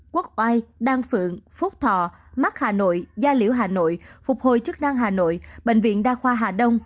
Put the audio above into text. quốc oai đan phượng phúc thọ mắt hà nội gia liễu hà nội phục hồi chức năng hà nội bệnh viện đa khoa hà đông